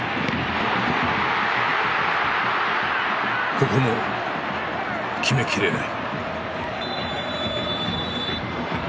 ここも決めきれない。